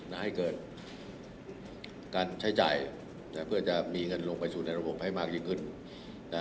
ให้เกิดการใช้จ่ายนะเพื่อจะมีเงินลงไปสู่ในระบบให้มากยิ่งขึ้นนะ